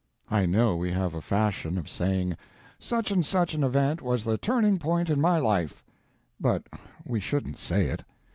I know we have a fashion of saying "such and such an event was the turning point in my life," but we shouldn't say it.